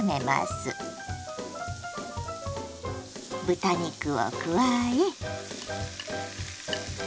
豚肉を加え。